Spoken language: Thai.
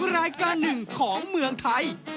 รายการหนึ่งของเมืองไทย